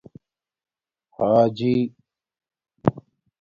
حآجِی